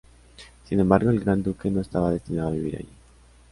Sin embargo, el gran duque no estaba destinado a vivir allí.